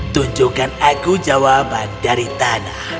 tunjukkan aku jawaban dari tanah